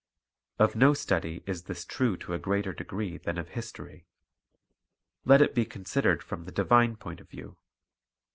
Of no study is this true to a greater degree than of history. Let it be considered from the divine point of view.